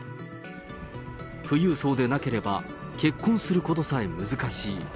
富裕層でなければ、結婚することさえ難しい。